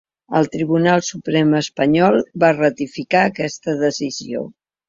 El Tribunal Suprem espanyol va ratificar aquesta decisió.